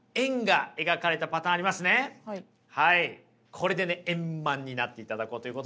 これで円満になっていただこうということですけれども。